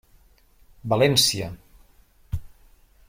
València.